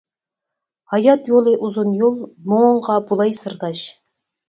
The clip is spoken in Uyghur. ھايات يولى ئۇزۇن يول، مۇڭۇڭغا بولاي سىرداش.